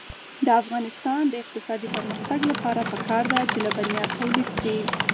د افغانستان د اقتصادي پرمختګ لپاره پکار ده چې لبنیات تولید شي.